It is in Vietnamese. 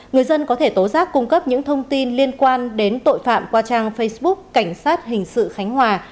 người dân có thể tố giác cung cấp những thông tin liên quan đến tội phạm qua trang facebook cảnh sát hình sự khánh hòa